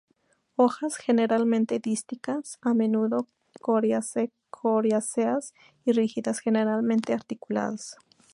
Hojas generalmente dísticas, a menudo coriáceas y rígidas, generalmente articuladas.